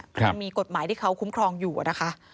มันมีกฎหมายที่เขาคุ้มครองอยู่นะคะ